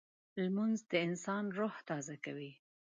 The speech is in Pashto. لمونځ د انسان روح تازه کوي